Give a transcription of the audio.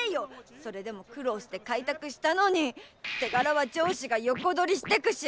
それでも苦労して開拓したのに手柄は上司が横取りしてくし！